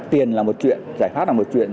tiền là một chuyện giải pháp là một chuyện